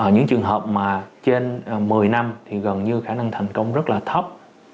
những trường hợp mà trên mười năm thì gần như khả năng thành công rất là thấp